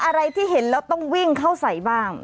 อะไรที่เห็นแล้วต้องวิ่งเข้าใส่บ้าง